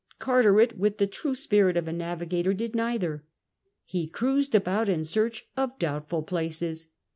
Carteret, with the true spirit of a navigator, did neither. He cruised about in search of doubtful places.